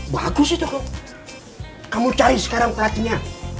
bagus itu kok kamu cari sekarang pelatihnya